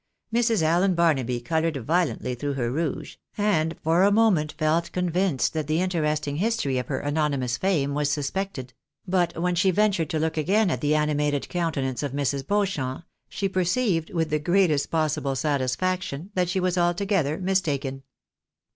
Mrs. Allen Barnaby coloured violently through her rouge, and MRS. BAENABY EXCITES ADMIRATION. 79 for a Inoment felt convinced that tlie interesting history of her anonymous fame was suspected ; but when she ventured to look again at the animated countenance of Mrs. Beauchamp, she per ceived, with the greatest possible satisfaction, that she was altogether mistaken.